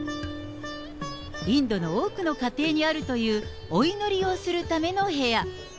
インドの多くの家庭にあるというお祈りをするための部屋。